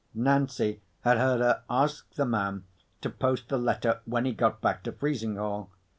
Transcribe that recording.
Nancy had heard her ask the man to post the letter when he got back to Frizinghall.